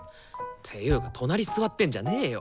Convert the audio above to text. ていうか隣座ってんじゃねよ！